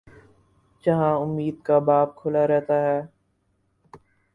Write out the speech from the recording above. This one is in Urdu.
جہاں امید کا باب کھلا رہتا ہے۔